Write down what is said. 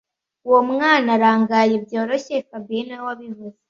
Uwo mwana arangaye byoroshye fabien niwe wabivuze